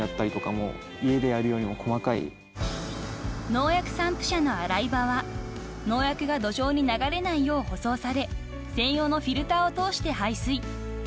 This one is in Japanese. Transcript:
［農薬散布車の洗い場は農薬が土壌に流れないよう舗装され専用のフィルターを通して排水］